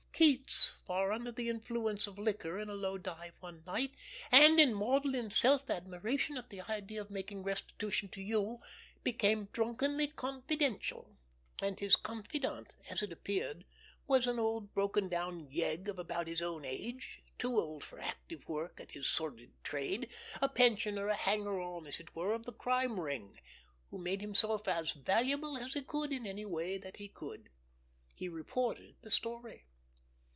Keats, far under the influence of liquor in a low dive one night and in maudlin self admiration at the idea of making restitution to you, became drunkenly confidential, and his 'confidant,' as it happened, was an old broken down yegg of about his own age, too old for active work at his sordid trade, a pensioner, a hanger on, as it were, of this Crime Ring, who made himself as valuable as he could in any way that he could. He reported the story.